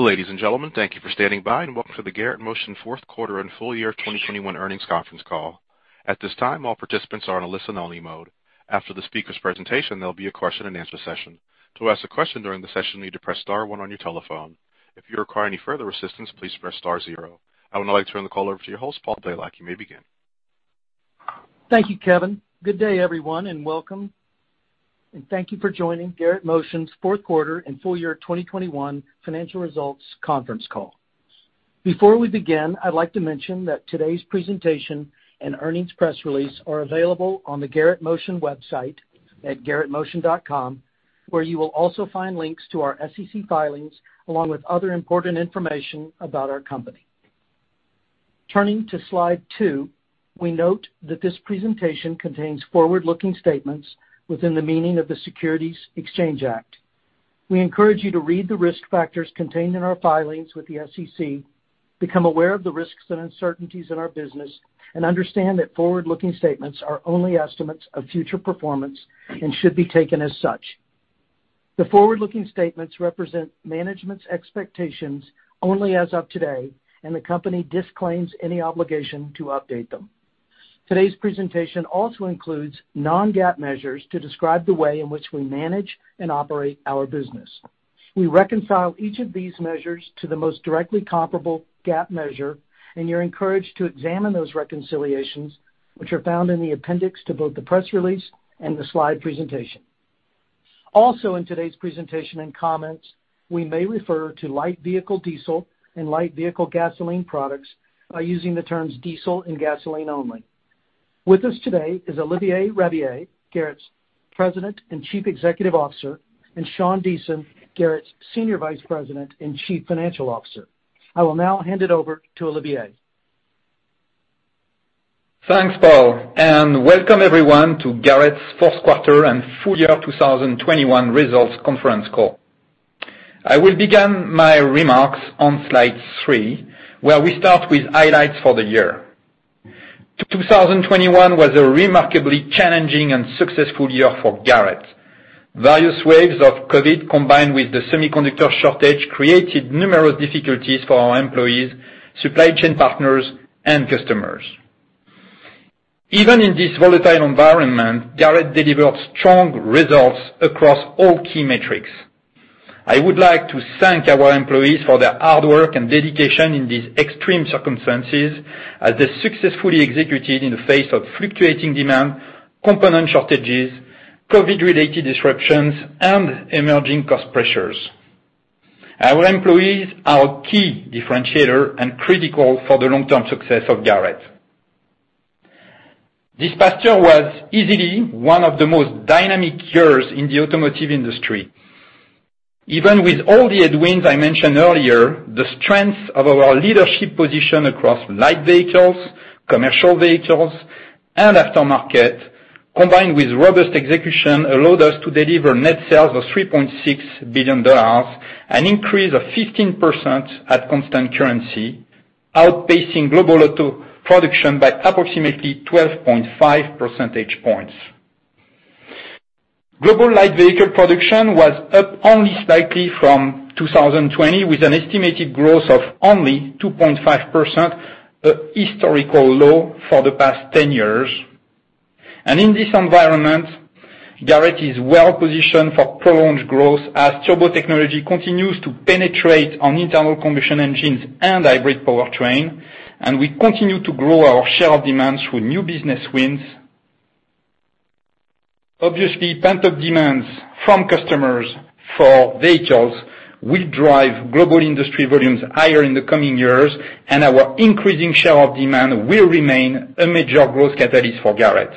Ladies and gentlemen, thank you for standing by and welcome to the Garrett Motion fourth quarter and full year 2021 earnings conference call. At this time, all participants are in a listen-only mode. After the speaker's presentation, there'll be a question and answer session. To ask a question during the session, you need to press star one on your telephone. If you require any further assistance, please press star zero. I would now like to turn the call over to your host, Paul Blalock. You may begin. Thank you, Kevin. Good day, everyone, and welcome, and thank you for joining Garrett Motion's fourth quarter and full year 2021 financial results conference call. Before we begin, I'd like to mention that today's presentation and earnings press release are available on the Garrett Motion website at garrettmotion.com, where you will also find links to our SEC filings, along with other important information about our company. Turning to slide two, we note that this presentation contains forward-looking statements within the meaning of the Securities Exchange Act. We encourage you to read the risk factors contained in our filings with the SEC, become aware of the risks and uncertainties in our business, and understand that forward-looking statements are only estimates of future performance and should be taken as such. The forward-looking statements represent management's expectations only as of today, and the company disclaims any obligation to update them. Today's presentation also includes non-GAAP measures to describe the way in which we manage and operate our business. We reconcile each of these measures to the most directly comparable GAAP measure, and you're encouraged to examine those reconciliations, which are found in the appendix to both the press release and the slide presentation. Also, in today's presentation and comments, we may refer to light vehicle diesel and light vehicle gasoline products by using the terms diesel and gasoline only. With us today is Olivier Rabiller, Garrett's President and Chief Executive Officer, and Sean Deason, Garrett's Senior Vice President and Chief Financial Officer. I will now hand it over to Olivier. Thanks, Paul, and welcome everyone to Garrett's fourth quarter and full year 2021 results conference call. I will begin my remarks on slide three, where we start with highlights for the year. 2021 was a remarkably challenging and successful year for Garrett. Various waves of COVID, combined with the semiconductor shortage, created numerous difficulties for our employees, supply chain partners, and customers. Even in this volatile environment, Garrett delivered strong results across all key metrics. I would like to thank our employees for their hard work and dedication in these extreme circumstances as they successfully executed in the face of fluctuating demand, component shortages, COVID-related disruptions, and emerging cost pressures. Our employees are a key differentiator and critical for the long-term success of Garrett. This past year was easily one of the most dynamic years in the automotive industry. Even with all the headwinds I mentioned earlier, the strength of our leadership position across light vehicles, commercial vehicles, and aftermarket, combined with robust execution, allowed us to deliver net sales of $3.6 billion, an increase of 15% at constant currency, outpacing global auto production by approximately 12.5 percentage points. Global light vehicle production was up only slightly from 2020, with an estimated growth of only 2.5%, a historical low for the past 10 years. In this environment, Garrett is well-positioned for prolonged growth as turbo technology continues to penetrate on internal combustion engines and hybrid powertrain, and we continue to grow our share of demand through new business wins. Obviously, pent-up demands from customers for vehicles will drive global industry volumes higher in the coming years, and our increasing share of demand will remain a major growth catalyst for Garrett.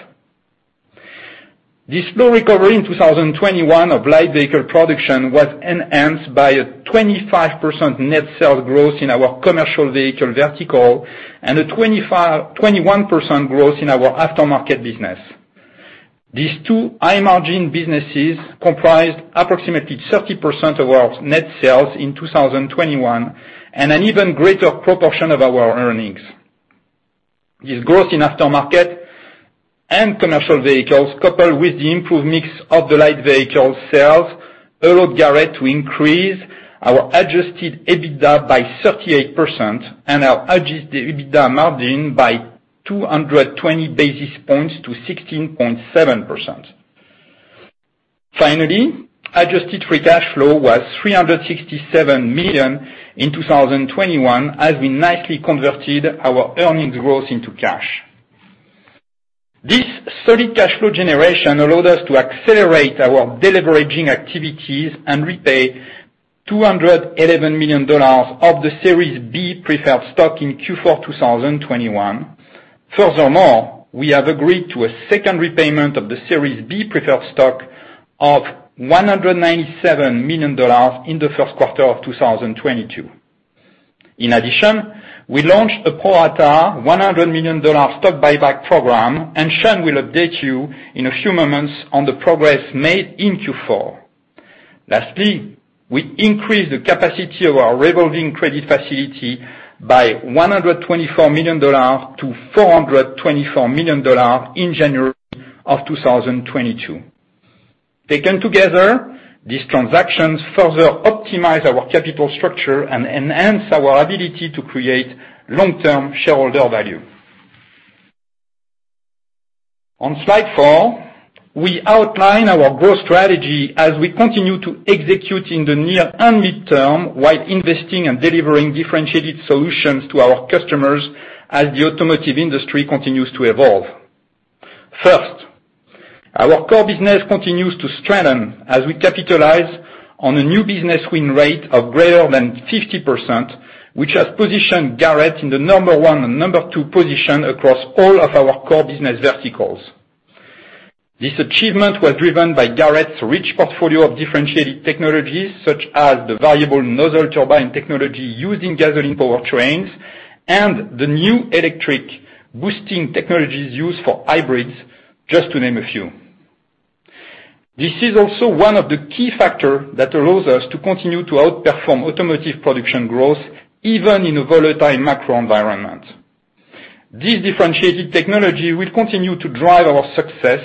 The slow recovery in 2021 of light vehicle production was enhanced by a 25% net sales growth in our commercial vehicle vertical and a 21% growth in our aftermarket business. These two high-margin businesses comprised approximately 30% of our net sales in 2021, and an even greater proportion of our earnings. This growth in aftermarket and commercial vehicles, coupled with the improved mix of the light vehicle sales, allowed Garrett to increase our Adjusted EBITDA by 38% and our Adjusted EBITDA margin by 220 basis points to 16.7%. Finally, adjusted free cash flow was $367 million in 2021, as we nicely converted our earnings growth into cash. This solid cash flow generation allowed us to accelerate our deleveraging activities and repay $211 million of the Series B Preferred Stock in Q4 2021. Furthermore, we have agreed to a second repayment of the Series B Preferred Stock of $197 million in the first quarter of 2022. In addition, we launched a pro rata $100 million stock buyback program, and Sean will update you in a few moments on the progress made in Q4. Lastly, we increased the capacity of our revolving credit facility by $124 million to $424 million in January of 2022. Taken together, these transactions further optimize our capital structure and enhance our ability to create long-term shareholder value. On slide four, we outline our growth strategy as we continue to execute in the near and mid-term, while investing and delivering differentiated solutions to our customers as the automotive industry continues to evolve. First, our core business continues to strengthen as we capitalize on a new business win rate of greater than 50%, which has positioned Garrett in the number one or number two position across all of our core business verticals. This achievement was driven by Garrett's rich portfolio of differentiated technologies, such as the variable nozzle turbine technology used in gasoline powertrains and the new electric boosting technologies used for hybrids, just to name a few. This is also one of the key factor that allows us to continue to outperform automotive production growth, even in a volatile macro environment. This differentiated technology will continue to drive our success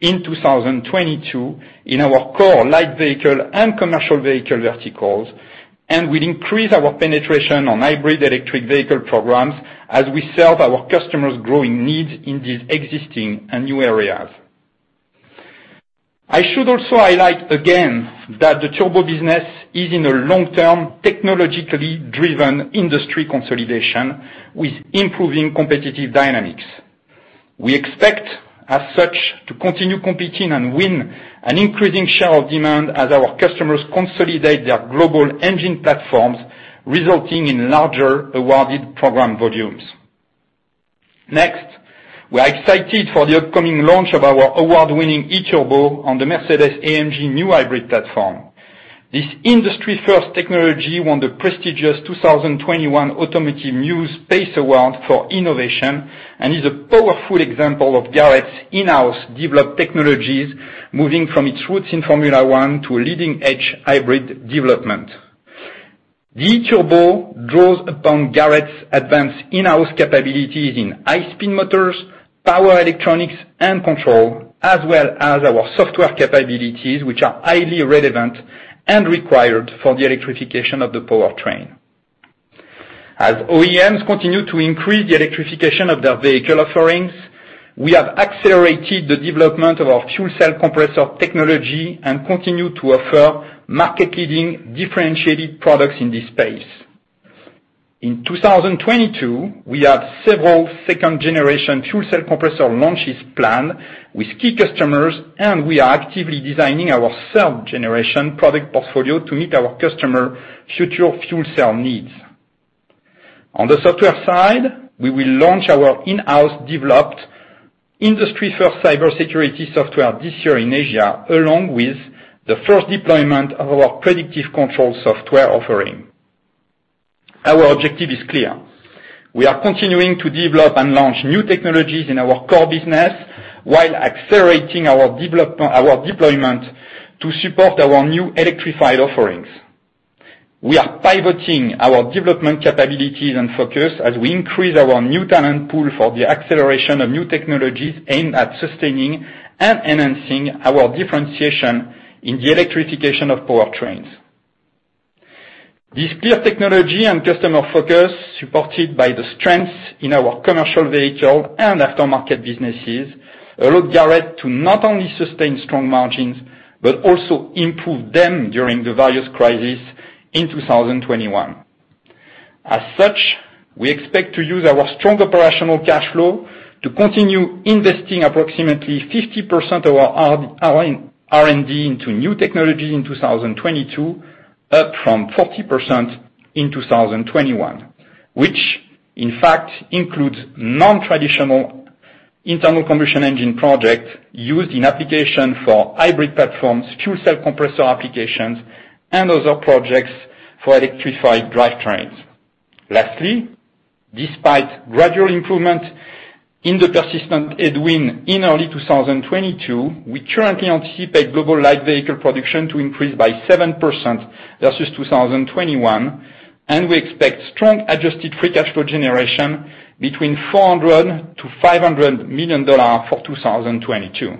in 2022 in our core light vehicle and commercial vehicle verticals, and will increase our penetration on hybrid electric vehicle programs as we serve our customers' growing needs in these existing and new areas. I should also highlight again that the turbo business is in a long-term, technologically driven industry consolidation with improving competitive dynamics. We expect, as such, to continue competing and win an increasing share of demand as our customers consolidate their global engine platforms, resulting in larger awarded program volumes. Next, we are excited for the upcoming launch of our award-winning E-Turbo on the Mercedes-AMG new hybrid platform. This industry-first technology won the prestigious 2021 Automotive News PACE Award for innovation, and is a powerful example of Garrett's in-house developed technologies, moving from its roots in Formula One to a leading-edge hybrid development. The E-Turbo draws upon Garrett's advanced in-house capabilities in high-speed motors, power electronics, and control, as well as our software capabilities, which are highly relevant and required for the electrification of the powertrain. As OEMs continue to increase the electrification of their vehicle offerings, we have accelerated the development of our Fuel Cell Compressor technology and continue to offer market-leading differentiated products in this space. In 2022, we have several second-generation Fuel Cell Compressor launches planned with key customers, and we are actively designing our third-generation product portfolio to meet our customer future fuel cell needs. On the software side, we will launch our in-house developed industry-first cybersecurity software this year in Asia, along with the first deployment of our predictive control software offering. Our objective is clear. We are continuing to develop and launch new technologies in our core business while accelerating our deployment to support our new electrified offerings. We are pivoting our development capabilities and focus as we increase our new talent pool for the acceleration of new technologies aimed at sustaining and enhancing our differentiation in the electrification of powertrains. This clear technology and customer focus, supported by the strengths in our commercial vehicle and aftermarket businesses, allowed Garrett to not only sustain strong margins, but also improve them during the various crises in 2021. As such, we expect to use our strong operational cash flow to continue investing approximately 50% of our our R&D into new technology in 2022, up from 40% in 2021, which in fact includes non-traditional internal combustion engine projects used in application for hybrid platforms, Fuel Cell Compressor applications, and other projects for electrified drivetrains. Lastly, despite gradual improvement in the persistent headwind in early 2022, we currently anticipate global light vehicle production to increase by 7% versus 2021, and we expect strong adjusted free cash flow generation between $400 million-$500 million for 2022.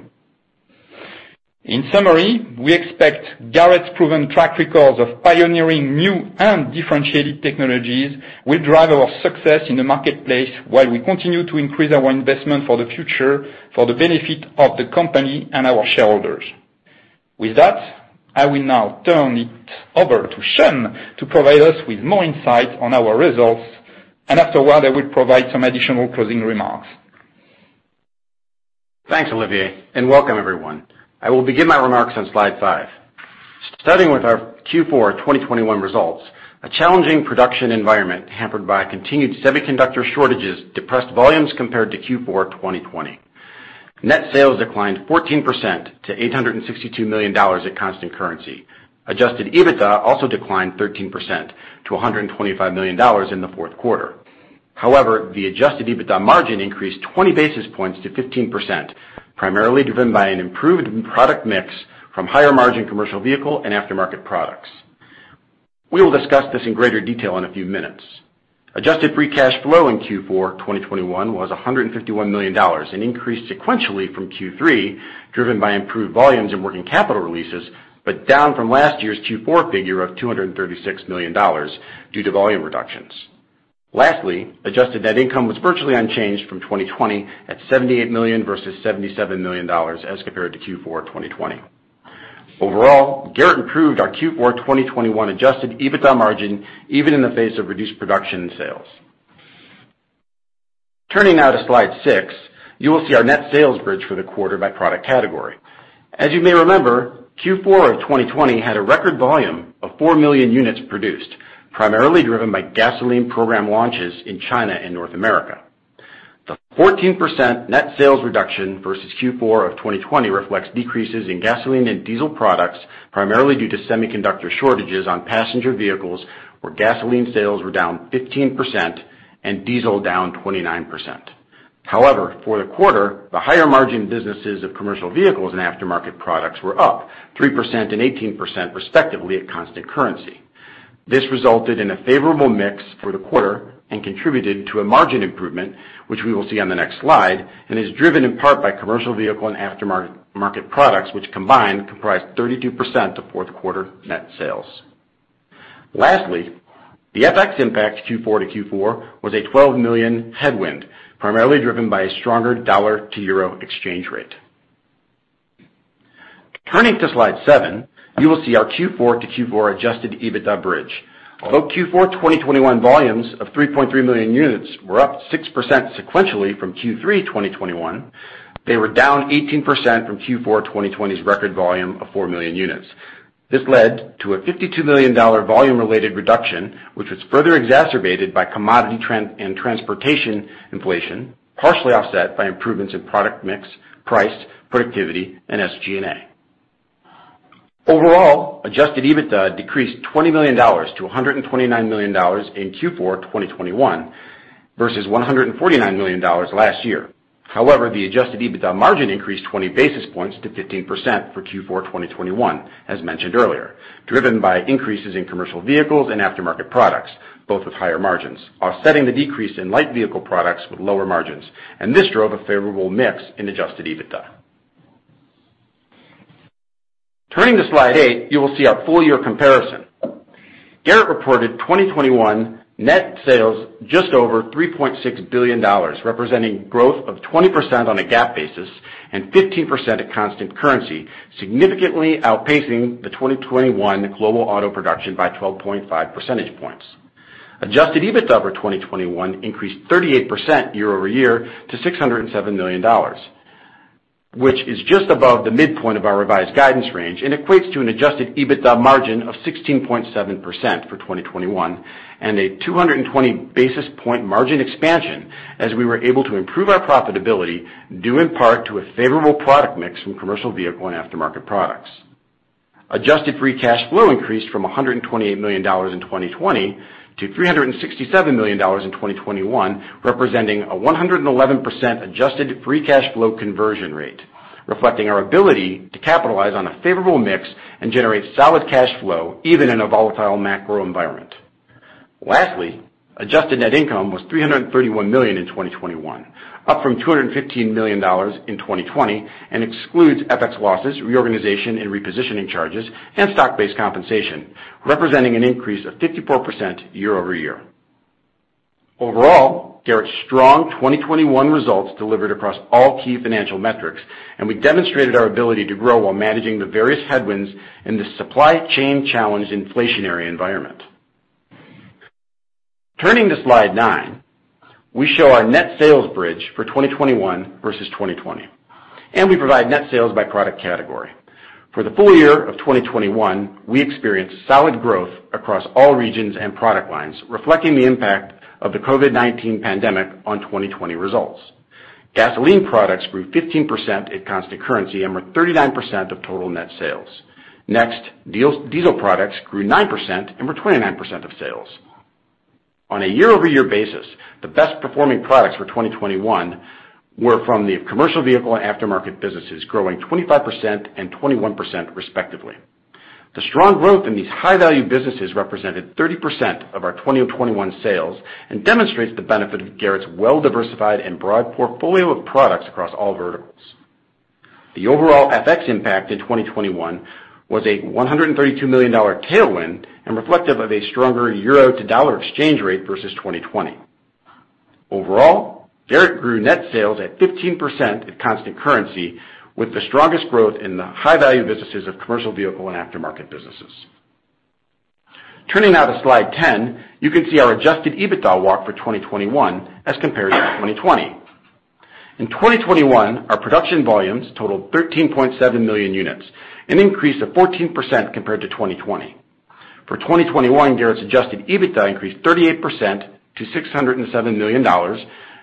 In summary, we expect Garrett's proven track records of pioneering new and differentiated technologies will drive our success in the marketplace while we continue to increase our investment for the future for the benefit of the company and our shareholders. With that, I will now turn it over to Sean to provide us with more insight on our results, and afterward, I will provide some additional closing remarks. Thanks, Olivier, and welcome everyone. I will begin my remarks on slide five. Starting with our Q4 2021 results, a challenging production environment hampered by continued semiconductor shortages depressed volumes compared to Q4 2020. Net sales declined 14% to $862 million at constant currency. Adjusted EBITDA also declined 13% to $125 million in the fourth quarter. However, the adjusted EBITDA margin increased 20 basis points to 15%, primarily driven by an improved product mix from higher margin commercial vehicle and aftermarket products. We will discuss this in greater detail in a few minutes. Adjusted free cash flow in Q4 2021 was $151 million, an increase sequentially from Q3, driven by improved volumes in working capital releases, but down from last year's Q4 figure of $236 million due to volume reductions. Lastly, adjusted net income was virtually unchanged from 2020 at $78 million versus $77 million as compared to Q4 2020. Overall, Garrett improved our Q4 2021 adjusted EBITDA margin even in the face of reduced production sales. Turning now to slide six, you will see our net sales bridge for the quarter by product category. As you may remember, Q4 of 2020 had a record volume of 4 million units produced, primarily driven by gasoline program launches in China and North America. The 14% net sales reduction versus Q4 of 2020 reflects decreases in gasoline and diesel products, primarily due to semiconductor shortages on passenger vehicles, where gasoline sales were down 15% and diesel down 29%. However, for the quarter, the higher margin businesses of commercial vehicles and aftermarket products were up 3% and 18% respectively at constant currency. This resulted in a favorable mix for the quarter and contributed to a margin improvement, which we will see on the next slide, and is driven in part by commercial vehicle and aftermarket market products, which combined comprise 32% of fourth quarter net sales. Lastly, the FX impact Q4-Q4 was a $12 million headwind, primarily driven by a stronger dollar to euro exchange rate. Turning to slide seven, you will see our Q4-Q4 Adjusted EBITDA bridge. Although Q4 2021 volumes of 3.3 million units were up 6% sequentially from Q3 2021, they were down 18% from Q4 2020's record volume of 4 million units. This led to a $52 million volume-related reduction, which was further exacerbated by commodity trend and transportation inflation, partially offset by improvements in product mix, price, productivity and SG&A. Overall, Adjusted EBITDA decreased $20 million to $129 million in Q4 2021 versus $149 million last year. However, the Adjusted EBITDA margin increased 20 basis points to 15% for Q4 2021, as mentioned earlier, driven by increases in commercial vehicles and aftermarket products, both with higher margins, offsetting the decrease in light vehicle products with lower margins, and this drove a favorable mix in Adjusted EBITDA. Turning to slide eight, you will see our full-year comparison. Garrett reported 2021 net sales just over $3.6 billion, representing growth of 20% on a GAAP basis and 15% at constant currency, significantly outpacing the 2021 global auto production by 12.5 percentage points. Adjusted EBITDA for 2021 increased 38% year-over-year to $607 million, which is just above the midpoint of our revised guidance range and equates to an Adjusted EBITDA margin of 16.7% for 2021 and a 220 basis point margin expansion as we were able to improve our profitability due in part to a favorable product mix from commercial vehicle and aftermarket products. Adjusted free cash flow increased from $128 million in 2020 to $367 million in 2021, representing a 111% adjusted free cash flow conversion rate, reflecting our ability to capitalize on a favorable mix and generate solid cash flow even in a volatile macro environment. Lastly, adjusted net income was $331 million in 2021, up from $215 million in 2020 and excludes FX losses, reorganization and repositioning charges, and stock-based compensation, representing an increase of 54% year-over-year. Overall, Garrett's strong 2021 results delivered across all key financial metrics, and we demonstrated our ability to grow while managing the various headwinds in the supply chain-challenged inflationary environment. Turning to slide nine, we show our net sales bridge for 2021 versus 2020, and we provide net sales by product category. For the full year of 2021, we experienced solid growth across all regions and product lines, reflecting the impact of the COVID-19 pandemic on 2020 results. Gasoline products grew 15% at constant currency and were 39% of total net sales. Next, diesel products grew 9% and were 29% of sales. On a year-over-year basis, the best performing products for 2021 were from the commercial vehicle and aftermarket businesses, growing 25% and 21% respectively. The strong growth in these high-value businesses represented 30% of our 2021 sales and demonstrates the benefit of Garrett's well-diversified and broad portfolio of products across all verticals. The overall FX impact in 2021 was a $132 million tailwind and reflective of a stronger euro to dollar exchange rate versus 2020. Overall, Garrett grew net sales at 15% at constant currency, with the strongest growth in the high value businesses of commercial vehicle and aftermarket businesses. Turning now to slide 10, you can see our Adjusted EBITDA walk for 2021 as compared to 2020. In 2021, our production volumes totaled 13.7 million units, an increase of 14% compared to 2020. For 2021, Garrett's adjusted EBITDA increased 38% to $607 million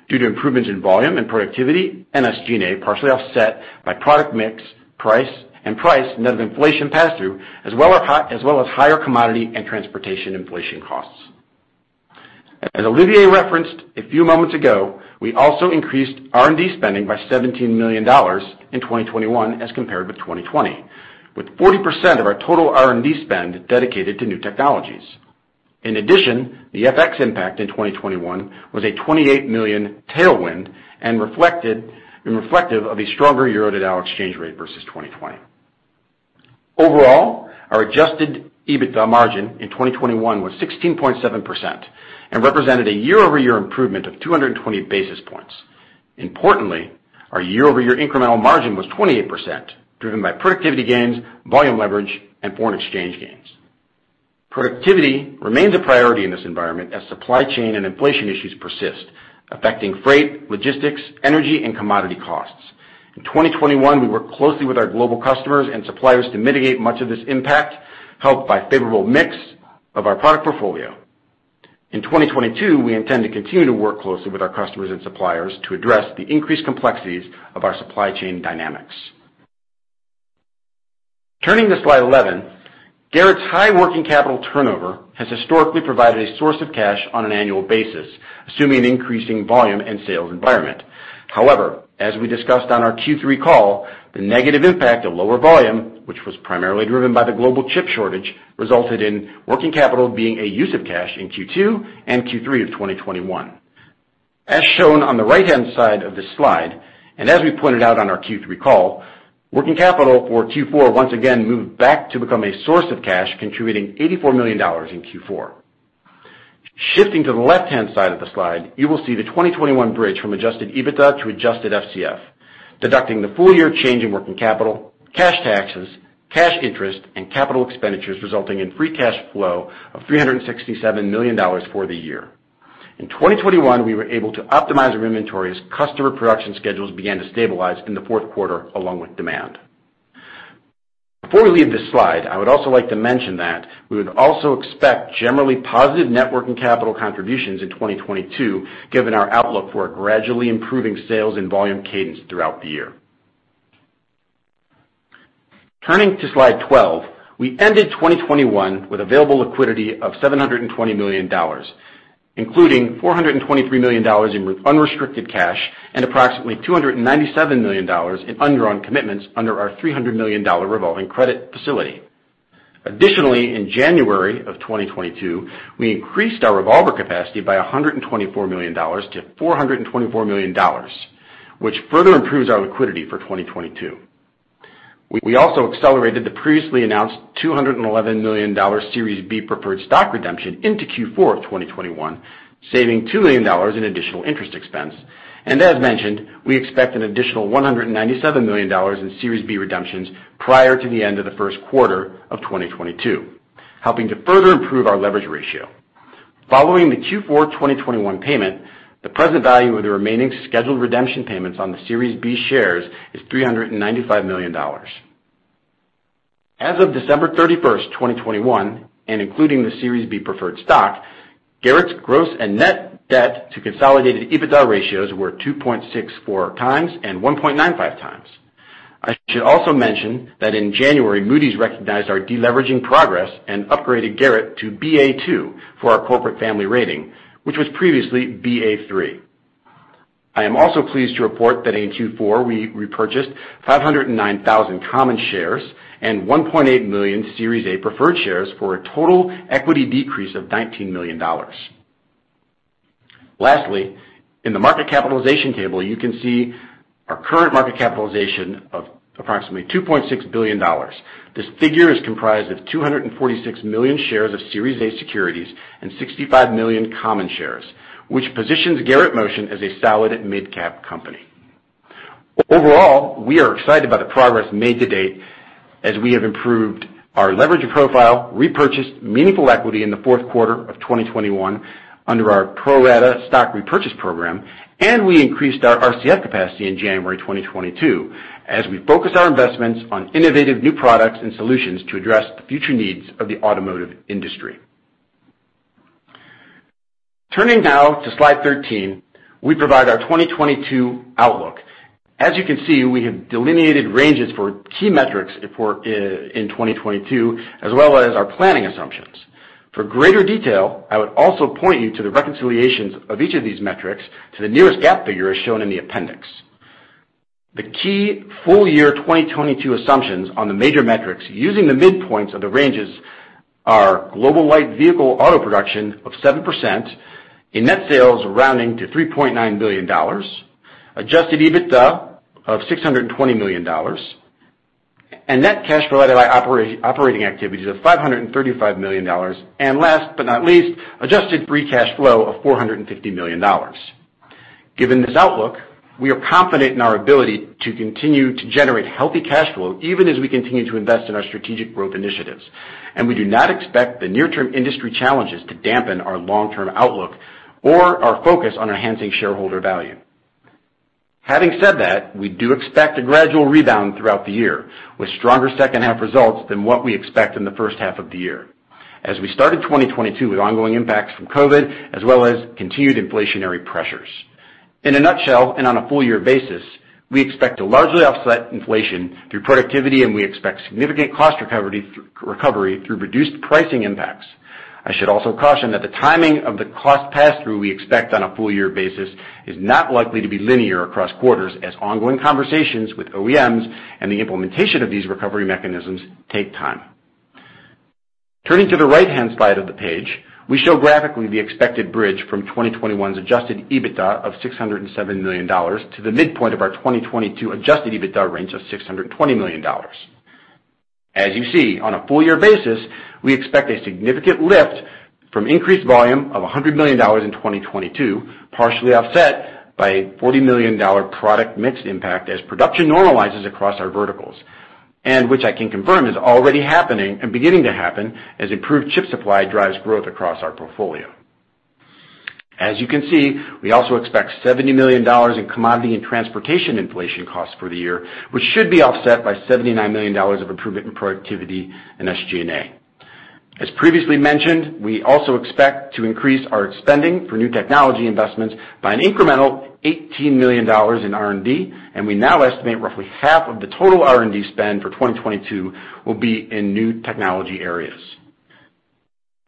due to improvements in volume and productivity, and SG&A partially offset by product mix, price, and price net of inflation pass-through as well as higher commodity and transportation inflation costs. As Olivier referenced a few moments ago, we also increased R&D spending by $17 million in 2021 as compared with 2020, with 40% of our total R&D spend dedicated to new technologies. In addition, the FX impact in 2021 was a $28 million tailwind and reflective of a stronger euro to dollar exchange rate versus 2020. Overall, our Adjusted EBITDA margin in 2021 was 16.7% and represented a year-over-year improvement of 220 basis points. Importantly, our year-over-year incremental margin was 28%, driven by productivity gains, volume leverage, and foreign exchange gains. Productivity remains a priority in this environment as supply chain and inflation issues persist, affecting freight, logistics, energy, and commodity costs. In 2021, we worked closely with our global customers and suppliers to mitigate much of this impact, helped by favorable mix of our product portfolio. In 2022, we intend to continue to work closely with our customers and suppliers to address the increased complexities of our supply chain dynamics. Turning to slide 11, Garrett's high working capital turnover has historically provided a source of cash on an annual basis, assuming increasing volume and sales environment. However, as we discussed on our Q3 call, the negative impact of lower volume, which was primarily driven by the global chip shortage, resulted in working capital being a use of cash in Q2 and Q3 of 2021. As shown on the right-hand side of this slide, and as we pointed out on our Q3 call, working capital for Q4 once again moved back to become a source of cash, contributing $84 million in Q4. Shifting to the left-hand side of the slide, you will see the 2021 bridge from Adjusted EBITDA to Adjusted FCF, deducting the full year change in working capital, cash taxes, cash interest, and capital expenditures resulting in free cash flow of $367 million for the year. In 2021, we were able to optimize our inventories. Customer production schedules began to stabilize in the fourth quarter, along with demand. Before we leave this slide, I would also like to mention that we would also expect generally positive net working capital contributions in 2022, given our outlook for gradually improving sales and volume cadence throughout the year. Turning to slide 12. We ended 2021 with available liquidity of $720 million, including $423 million in unrestricted cash and approximately $297 million in undrawn commitments under our $300 million revolving credit facility. Additionally, in January of 2022, we increased our revolver capacity by $124 million to $424 million, which further improves our liquidity for 2022. We also accelerated the previously announced $211 million Series B Preferred Stock redemption into Q4 of 2021, saving $2 million in additional interest expense. As mentioned, we expect an additional $197 million in Series B redemptions prior to the end of the first quarter of 2022, helping to further improve our leverage ratio. Following the Q4 of 2021 payment, the present value of the remaining scheduled redemption payments on the Series B shares is $395 million. As of December 31, 2021, and including the Series B Preferred Stock, Garrett's gross and net debt to consolidated EBITDA ratios were 2.64x and 1.95x. I should also mention that in January, Moody's recognized our deleveraging progress and upgraded Garrett to Ba2 for our corporate family rating, which was previously Ba3. I am also pleased to report that in Q4, we repurchased 509,000 common shares and 1.8 million Series A preferred shares for a total equity decrease of $19 million. Lastly, in the market capitalization table, you can see our current market capitalization of approximately $2.6 billion. This figure is comprised of 246 million shares of Series A securities and 65 million common shares, which positions Garrett Motion as a solid mid-cap company. Overall, we are excited by the progress made to date as we have improved our leverage profile, repurchased meaningful equity in the fourth quarter of 2021 under our pro rata stock repurchase program, and we increased our RCF capacity in January 2022 as we focus our investments on innovative new products and solutions to address the future needs of the automotive industry. Turning now to slide 13, we provide our 2022 outlook. As you can see, we have delineated ranges for key metrics for in 2022 as well as our planning assumptions. For greater detail, I would also point you to the reconciliations of each of these metrics to the nearest GAAP figure as shown in the appendix. The key full year 2022 assumptions on the major metrics using the midpoints of the ranges are global light vehicle auto production of 7% in net sales rounding to $3.9 billion, Adjusted EBITDA of $620 million, and net cash provided by operating activities of $535 million, and last but not least, adjusted free cash flow of $450 million. Given this outlook, we are confident in our ability to continue to generate healthy cash flow even as we continue to invest in our strategic growth initiatives. We do not expect the near-term industry challenges to dampen our long-term outlook or our focus on enhancing shareholder value. Having said that, we do expect a gradual rebound throughout the year, with stronger second half results than what we expect in the first half of the year as we started 2022 with ongoing impacts from COVID, as well as continued inflationary pressures. In a nutshell, and on a full year basis, we expect to largely offset inflation through productivity, and we expect significant cost recovery through reduced pricing impacts. I should also caution that the timing of the cost pass-through we expect on a full year basis is not likely to be linear across quarters as ongoing conversations with OEMs and the implementation of these recovery mechanisms take time. Turning to the right-hand side of the page, we show graphically the expected bridge from 2021's Adjusted EBITDA of $607 million to the midpoint of our 2022 Adjusted EBITDA range of $620 million. As you see, on a full year basis, we expect a significant lift from increased volume of $100 million in 2022, partially offset by a $40 million product mix impact as production normalizes across our verticals, and which I can confirm is already happening and beginning to happen as improved chip supply drives growth across our portfolio. As you can see, we also expect $70 million in commodity and transportation inflation costs for the year, which should be offset by $79 million of improvement in productivity and SG&A. As previously mentioned, we also expect to increase our spending for new technology investments by an incremental $18 million in R&D, and we now estimate roughly half of the total R&D spend for 2022 will be in new technology areas.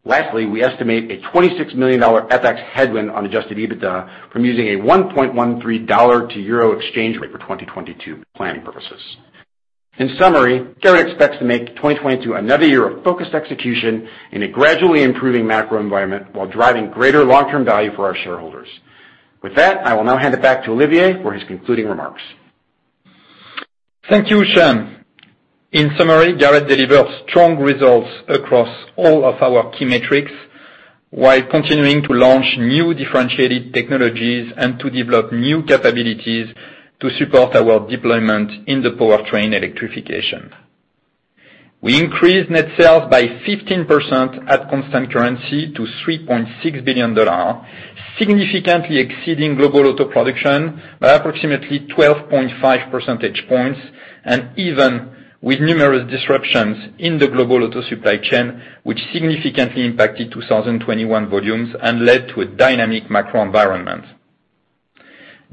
Lastly, we estimate a $26 million FX headwind on adjusted EBITDA from using a 1.13 dollar to euro exchange rate for 2022 planning purposes. In summary, Garrett expects to make 2022 another year of focused execution in a gradually improving macro environment while driving greater long-term value for our shareholders. With that, I will now hand it back to Olivier for his concluding remarks. Thank you, Sean. In summary, Garrett delivered strong results across all of our key metrics while continuing to launch new differentiated technologies and to develop new capabilities to support our deployment in the powertrain electrification. We increased net sales by 15% at constant currency to $3.6 billion, significantly exceeding global auto production by approximately 12.5 percentage points, and even with numerous disruptions in the global auto supply chain, which significantly impacted 2021 volumes and led to a dynamic macro environment.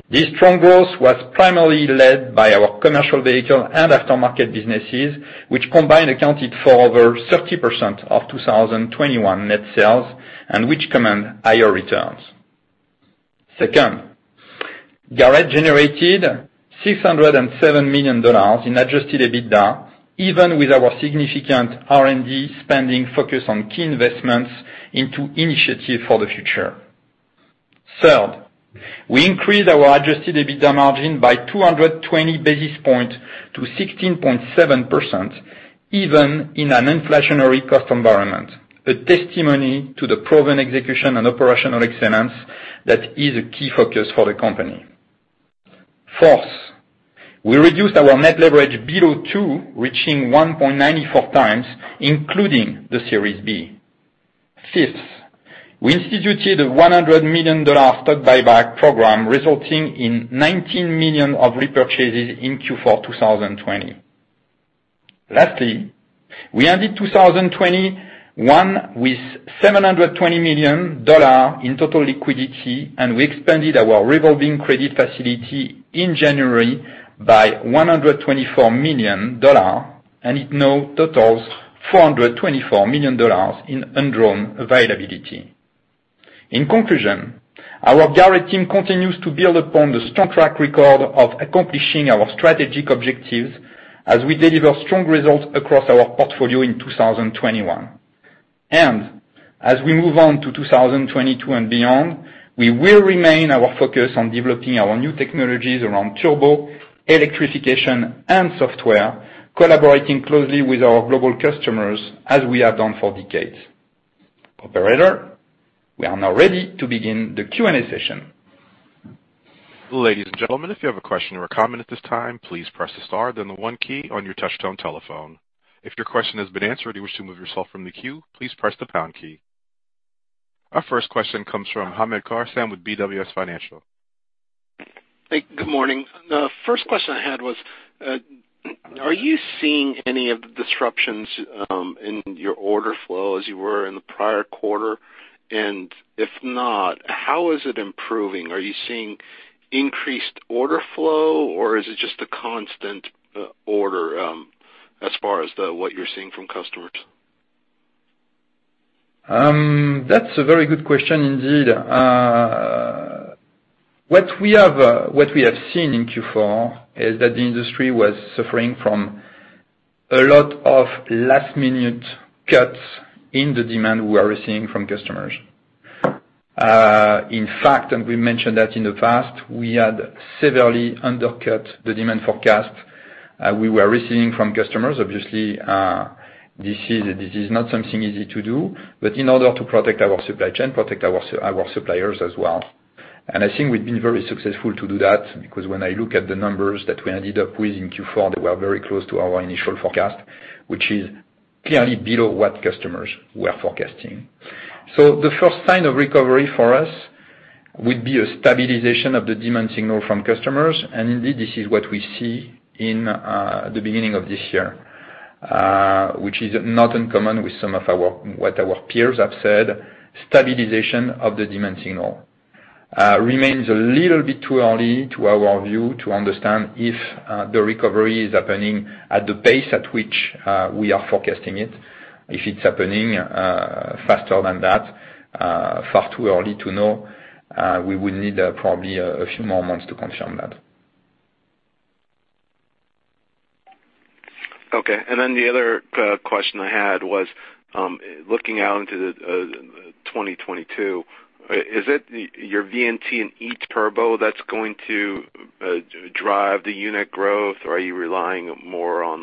This strong growth was primarily led by our commercial vehicle and aftermarket businesses, which combined accounted for over 30% of 2021 net sales and which command higher returns. Second, Garrett generated $607 million in Adjusted EBITDA, even with our significant R&D spending focused on key investments into initiative for the future. Third, we increased our Adjusted EBITDA margin by 220 basis points to 16.7%, even in an inflationary cost environment, a testimony to the proven execution and operational excellence that is a key focus for the company. Fourth, we reduced our net leverage below 2x, reaching 1.94x, including the Series B. Fifth, we instituted a $100 million stock buyback program, resulting in $19 million of repurchases in Q4 2020. Lastly, we ended 2021 with $720 million in total liquidity, and we expanded our revolving credit facility in January by $124 million, and it now totals $424 million in undrawn availability. In conclusion, our Garrett team continues to build upon the strong track record of accomplishing our strategic objectives as we deliver strong results across our portfolio in 2021. As we move on to 2022 and beyond, we will remain focused on developing our new technologies around turbo, electrification, and software, collaborating closely with our global customers as we have done for decades. Operator, we are now ready to begin the Q&A session. Ladies and gentlemen, if you have a question or a comment at this time, please press the star then the one key on your touchtone telephone. If your question has been answered and you wish to remove yourself from the queue, please press the pound key. Our first question comes from Hamed Khorsand with BWS Financial. Hey, good morning. The first question I had was, are you seeing any of the disruptions in your order flow as you were in the prior quarter? If not, how is it improving? Are you seeing increased order flow, or is it just a constant order as far as what you're seeing from customers? That's a very good question indeed. What we have seen in Q4 is that the industry was suffering from a lot of last-minute cuts in the demand we were receiving from customers. In fact, we mentioned that in the past, we had severely undercut the demand forecast we were receiving from customers. This is not something easy to do, but in order to protect our supply chain, protect our suppliers as well. I think we've been very successful to do that because when I look at the numbers that we ended up with in Q4, they were very close to our initial forecast, which is clearly below what customers were forecasting. The first sign of recovery for us would be a stabilization of the demand signal from customers. Indeed, this is what we see in the beginning of this year, which is not uncommon with what our peers have said, stabilization of the demand signal remains a little bit too early to our view to understand if the recovery is happening at the pace at which we are forecasting it. If it's happening faster than that, far too early to know. We will need probably a few more months to confirm that. Okay. The other question I had was, looking out into the 2022, is it your VNT and E-Turbo that's going to drive the unit growth or are you relying more on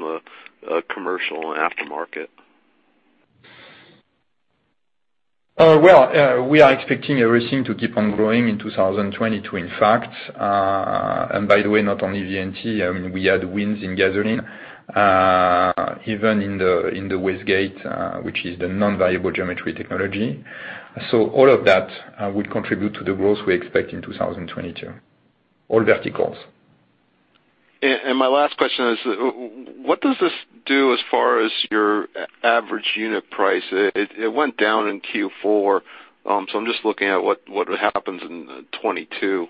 the commercial and aftermarket? Well, we are expecting everything to keep on growing in 2022, in fact. And by the way, not only VNT, I mean, we had wins in gasoline, even in the wastegate, which is the non-variable geometry technology. All of that would contribute to the growth we expect in 2022, all verticals. My last question is, what does this do as far as your average unit price? It went down in Q4, so I'm just looking at what happens in 2022.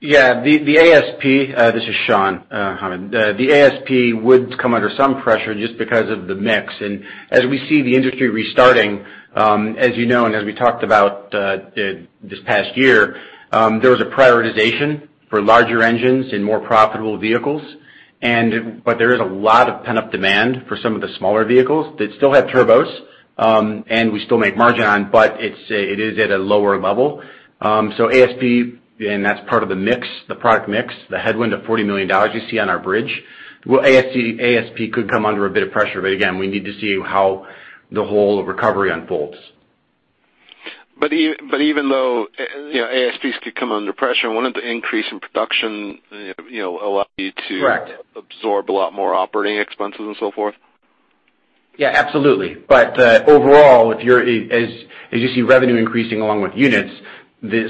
The ASP. This is Sean, Hamed. The ASP would come under some pressure just because of the mix. As we see the industry restarting, as you know and as we talked about this past year, there was a prioritization for larger engines in more profitable vehicles. There is a lot of pent-up demand for some of the smaller vehicles that still have turbos, and we still make margin on, but it is at a lower level. ASP, and that's part of the mix, the product mix, the headwind of $40 million you see on our bridge. ASP could come under a bit of pressure. Again, we need to see how the whole recovery unfolds. Even though, you know, ASPs could come under pressure, wouldn't the increase in production, you know, allow you to- Correct. absorb a lot more operating expenses and so forth? Yeah, absolutely. Overall, if you're as you see revenue increasing along with units,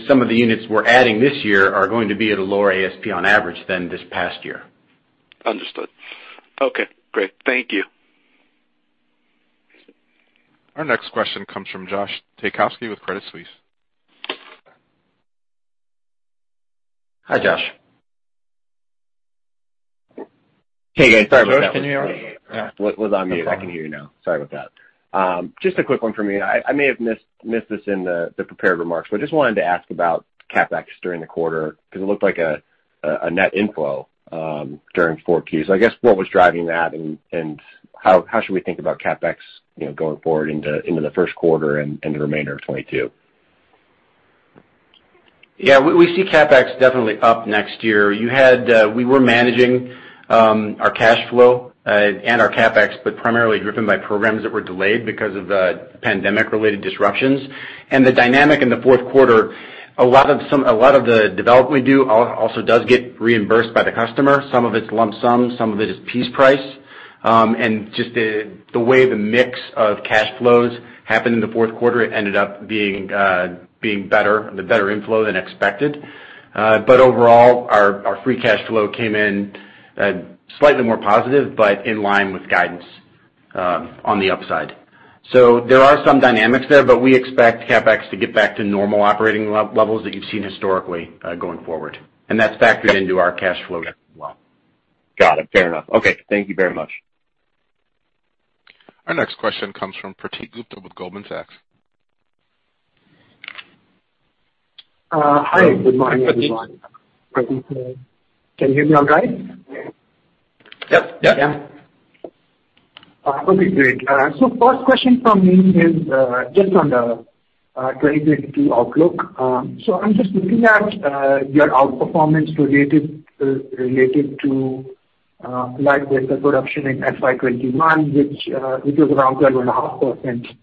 some of the units we're adding this year are going to be at a lower ASP on average than this past year. Understood. Okay, great. Thank you. Our next question comes from Josh Taykowski with Credit Suisse. Hi, Josh. Hey, guys. Sorry about that. Can you hear me? Was on mute. I can hear you now. Sorry about that. Just a quick one for me. I may have missed this in the prepared remarks, but just wanted to ask about CapEx during the quarter, 'cause it looked like a net inflow during 4Q. I guess what was driving that and how should we think about CapEx going forward into the first quarter and the remainder of 2022? Yeah. We see CapEx definitely up next year. We were managing our cash flow and our CapEx, but primarily driven by programs that were delayed because of the pandemic-related disruptions. The dynamic in the fourth quarter, a lot of the development we do also does get reimbursed by the customer. Some of it's lump sum, some of it is piece price. Just the way the mix of cash flows happened in the fourth quarter, it ended up being a better inflow than expected. Overall, our free cash flow came in slightly more positive, but in line with guidance on the upside. There are some dynamics there, but we expect CapEx to get back to normal operating levels that you've seen historically, going forward. That's factored into our cash flow as well. Got it. Fair enough. Okay. Thank you very much. Our next question comes from Prateek Gupta with Goldman Sachs. Hi. Good morning, everyone. Prateek. Prateek here. Can you hear me okay? Yep. Okay, great. First question from me is just on the 2022 outlook. I'm just looking at your outperformance related to light vehicle production in FY 2021, which it was around 12.5%.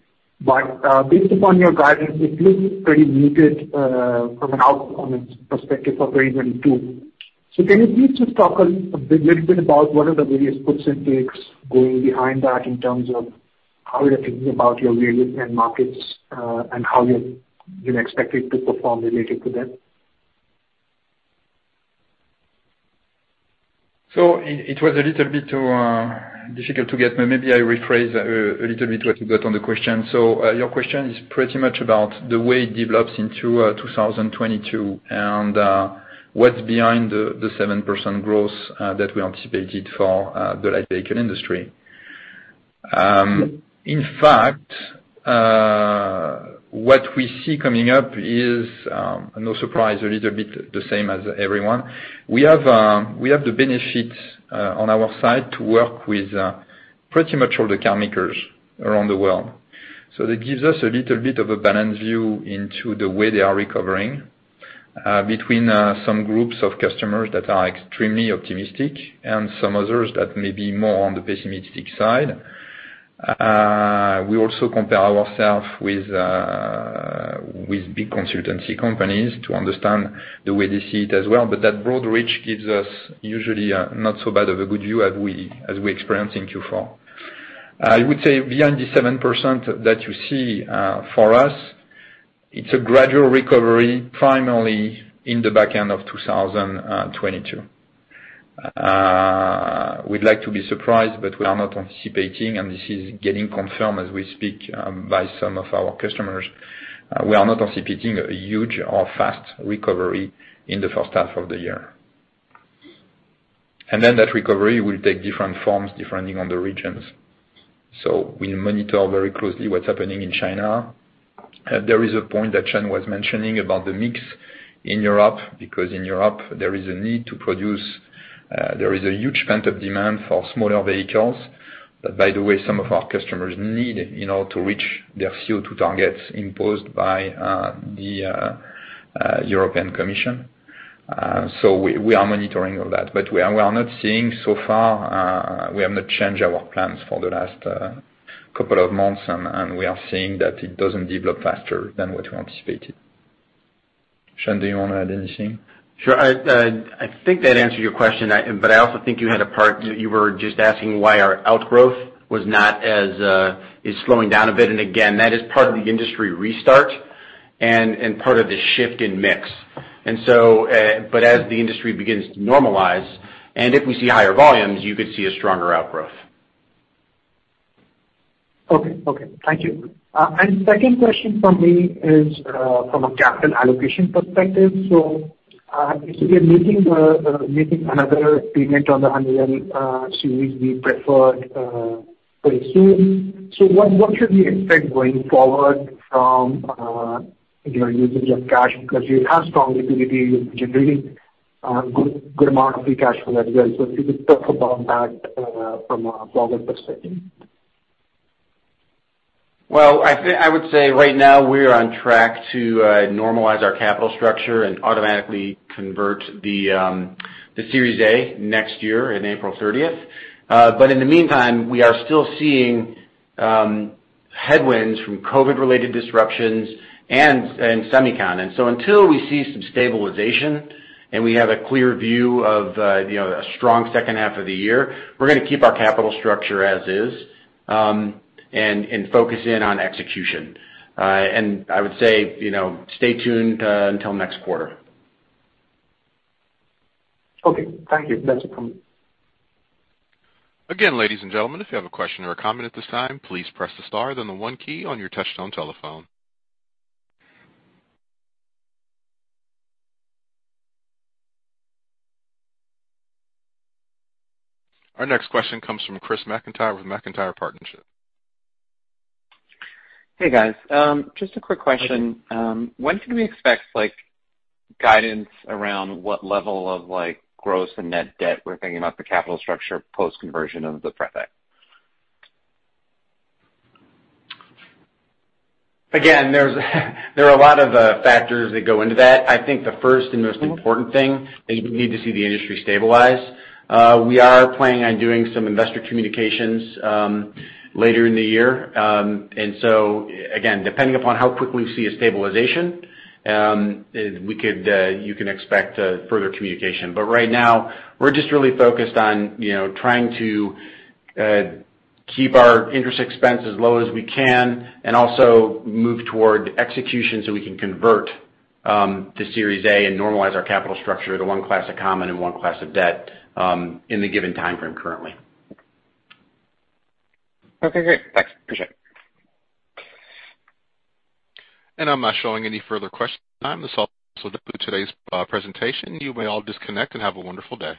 Based upon your guidance, it looks pretty muted from an outperformance perspective of 2022. Can you please just talk a little bit about what are the various puts and takes going behind that in terms of how you're thinking about your vehicles and markets, and how you expect it to perform related to that? It was a little bit difficult to get, but maybe I rephrase a little bit what you got on the question. Your question is pretty much about the way it develops into 2022, and what's behind the 7% growth that we anticipated for the light vehicle industry. In fact, what we see coming up is no surprise, a little bit the same as everyone. We have the benefit on our side to work with pretty much all the car makers around the world. That gives us a little bit of a balanced view into the way they are recovering between some groups of customers that are extremely optimistic and some others that may be more on the pessimistic side. We also compare ourselves with big consultancy companies to understand the way they see it as well. That broad reach gives us usually a not so bad of a good view as we experienced in Q4. I would say behind the 7% that you see, for us, it's a gradual recovery finally in the back end of 2022. We'd like to be surprised, but we are not anticipating, and this is getting confirmed as we speak, by some of our customers. We are not anticipating a huge or fast recovery in the first half of the year. Then that recovery will take different forms depending on the regions. We monitor very closely what's happening in China. There is a point that Sean was mentioning about the mix in Europe, because in Europe there is a need to produce, there is a huge pent-up demand for smaller vehicles that, by the way, some of our customers need, you know, to reach their CO2 targets imposed by the European Commission. We are monitoring all that. We are not seeing so far, we have not changed our plans for the last couple of months, and we are seeing that it doesn't develop faster than what we anticipated. Sean, do you wanna add anything? Sure. I think that answered your question. But I also think you had a part you were just asking why our outgrowth is slowing down a bit. Again, that is part of the industry restart and part of the shift in mix. But as the industry begins to normalize and if we see higher volumes, you could see a stronger outgrowth. Okay. Thank you. Second question from me is, from a capital allocation perspective. If we are making another payment on the $100 million Series B preferred pretty soon, what should we expect going forward from, you know, usage of cash? Because you have strong liquidity. You're generating good amount of free cash flow as well. If you could talk about that, from a forward perspective. I would say right now we are on track to normalize our capital structure and automatically convert the Series A next year in April 30. In the meantime, we are still seeing headwinds from COVID-related disruptions and semicon. Until we see some stabilization and we have a clear view of, you know, a strong second half of the year, we're gonna keep our capital structure as is, and focus in on execution. I would say, you know, stay tuned until next quarter. Okay. Thank you. That's it for me. Again, ladies and gentlemen, if you have a question or a comment at this time, please press the star then the one key on your touchtone telephone. Our next question comes from Chris McIntyre with McIntyre Partnerships. Hey, guys. Just a quick question. When can we expect, like, guidance around what level of, like, gross and net debt we're thinking about the capital structure post conversion of the pref A? There are a lot of factors that go into that. I think the first and most important thing is we need to see the industry stabilize. We are planning on doing some investor communications later in the year. Again, depending upon how quickly we see a stabilization, we could you can expect further communication. Right now, we're just really focused on, you know, trying to keep our interest expense as low as we can and also move toward execution so we can convert to Series A and normalize our capital structure to one class of common and one class of debt in the given timeframe currently. Okay, great. Thanks. Appreciate it. I'm not showing any further questions at this time. This will do it for today's presentation. You may all disconnect and have a wonderful day.